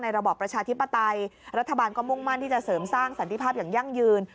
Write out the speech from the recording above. ระบอบประชาธิปไตยรัฐบาลก็มุ่งมั่นที่จะเสริมสร้างสันติภาพอย่างยั่งยืน